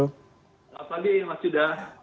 selamat pagi mas yuda